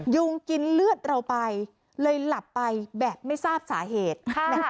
ยุงกินเลือดเราไปเลยหลับไปแบบไม่ทราบสาเหตุ